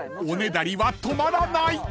［おねだりは止まらない！］